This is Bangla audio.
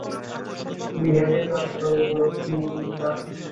বিহানে জল রইবে নি বাবা?